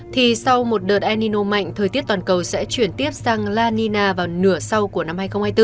thì sau một đợt enino mạnh thời tiết toàn cầu sẽ chuyển tiếp sang la nina vào nửa sau của năm hai nghìn hai mươi bốn